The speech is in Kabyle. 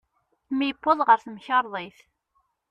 Mi yewweḍ ɣer temkerḍit.